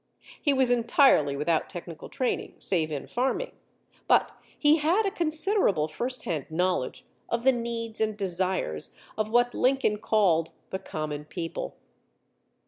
He was entirely without technical training save in farming, but he had a considerable first hand knowledge of the needs and desires of what Lincoln called the "common people."